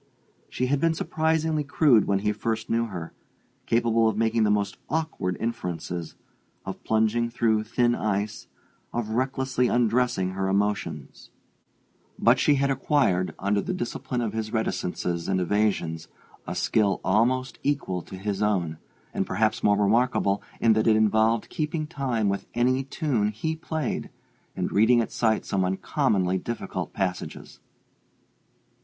She had been surprisingly crude when he first knew her; capable of making the most awkward inferences, of plunging through thin ice, of recklessly undressing her emotions; but she had acquired, under the discipline of his reticences and evasions, a skill almost equal to his own, and perhaps more remarkable in that it involved keeping time with any tune he played and reading at sight some uncommonly difficult passages.